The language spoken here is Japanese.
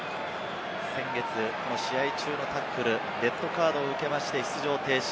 先月、試合中のタックル、レッドカードを受けまして、出場停止。